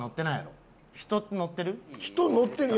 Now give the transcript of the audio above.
人乗ってる？